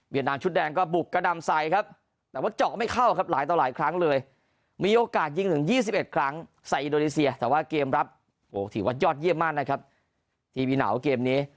นามชุดแดงก็บุกกระดำใส่ครับแต่ว่าเจาะไม่เข้าครับหลายต่อหลายครั้งเลยมีโอกาสยิงถึง๒๑ครั้งใส่อินโดนีเซียแต่ว่าเกมรับโอ้โหถือว่ายอดเยี่ยมมากนะครับทีวีหนาวเกมนี้